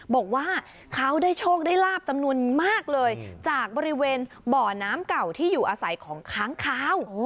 บอกว่าเขาได้โชคได้ลาบจำนวนมากเลยจากบริเวณบ่อน้ำเก่าที่อยู่อาศัยของค้างคาว